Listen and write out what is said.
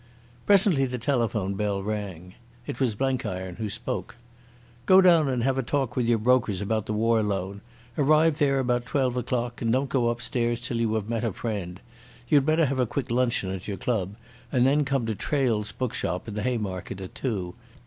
Presently the telephone bell rang. It was Blenkiron who spoke. "Go down and have a talk with your brokers about the War Loan. Arrive there about twelve o'clock and don't go upstairs till you have met a friend. You'd better have a quick luncheon at your club, and then come to Traill's bookshop in the Haymarket at two.